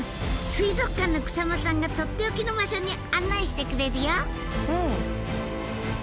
水族館の草間さんがとっておきの場所に案内してくれるよ！